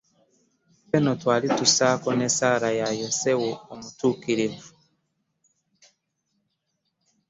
Ffe nno twali tussaako n'essaala ya Yozeu Omutuukirivu.